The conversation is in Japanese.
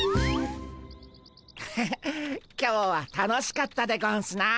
ハハッ今日は楽しかったでゴンスな。